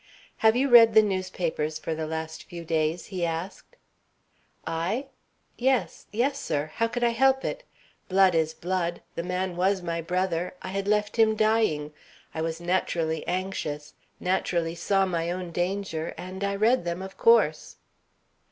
"Have you read the newspapers for the last few days?" he asked. "I? Yes, yes, sir. How could I help it? Blood is blood; the man was my brother; I had left him dying I was naturally anxious, naturally saw my own danger, and I read them, of course."